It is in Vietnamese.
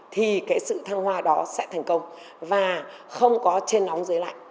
thì cái sự thăng hoa đó sẽ thành công và không có trên nóng dưới lạnh